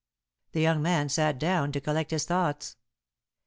The young man sat down to collect his thoughts.